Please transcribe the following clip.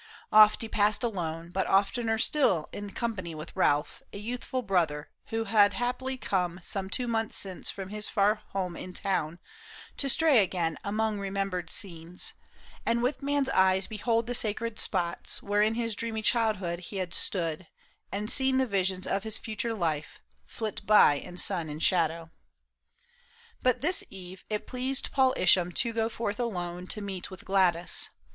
Oft he passed alone. But oftener still in company with Ralph, A youthful brother, who had haply come Some two months since from his far home in town, To stray again among remembered scenes, And with man's eyes behold the sacred spots Where in his dreamy childhood he had stood And seen the visions of his future life Flit by in sun and shadow. But this eve It pleased Paul Isham to go forth alone To meet with Gladys.